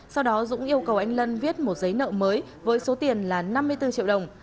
sau đó dũng yêu cầu anh lân viết một giấy nợ mới với số tiền là năm mươi bốn triệu đồng